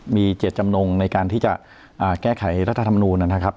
มีเจตจำนงในการที่จะแก้ไขรัฐธรรมนูลนะครับ